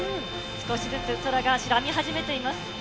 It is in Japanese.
少しずつ空が白み始めています。